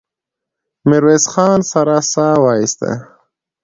ميرويس خان سړه سا وايسته.